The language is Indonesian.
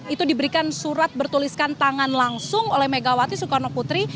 itu diberikan surat bertuliskan tangan langsung oleh megawati soekarno putri